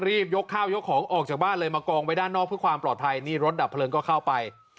ยกข้าวยกของออกจากบ้านเลยมากองไว้ด้านนอกเพื่อความปลอดภัยนี่รถดับเพลิงก็เข้าไป